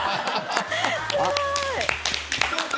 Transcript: すごい！